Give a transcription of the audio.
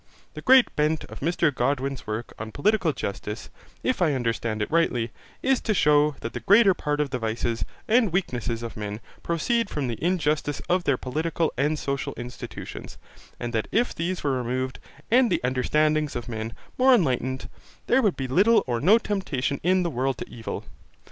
The great bent of Mr Godwin's work on Political Justice, if I understand it rightly, is to shew that the greater part of the vices and weaknesses of men proceed from the injustice of their political and social institutions, and that if these were removed and the understandings of men more enlightened, there would be little or no temptation in the world to evil.